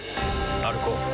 歩こう。